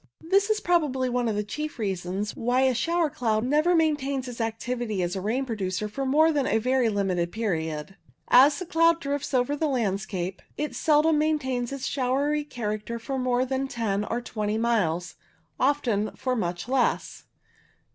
This is probably one of the chief reasons why a shower cloud never maintains its activity as a rain producer for more than a very limited period. As the cloud drifts over the landscape, it seldom main tains its showery character for more than ten or twenty miles, often for much less.